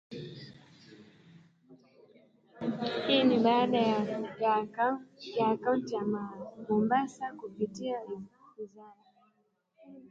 Hii ni baada ya kaunti ya Mombasa kupitia wizara